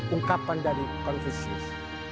ungkapan dari konfisius